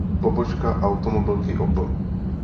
Pobočka automobilky Opel.